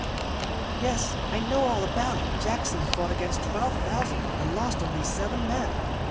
"Yes, I know all about it. Jackson fought against twelve thousand, and lost only seven men.